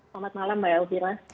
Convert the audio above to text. selamat malam mbak elvira